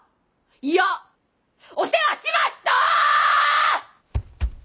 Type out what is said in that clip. いやお世話しました！